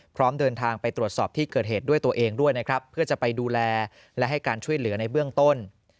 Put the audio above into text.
พร้อมเดินทางไปตรวจสอบที่เกิดเหตุด้วยตัวเองด้วยนะครับเพื่อจะไปดูแลและให้การช่วยเหลือในเบื้องต้น